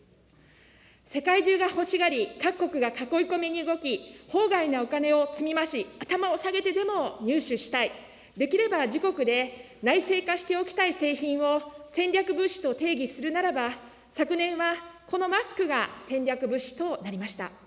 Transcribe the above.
世界中が欲しがり、各国が囲い込みに動き、法外なお金を積み増し、頭を下げてでも入手したい、できれば自国で内製化しておきたい製品を、戦略物資と定義するならば、昨年は、このマスクが戦略物資となりました。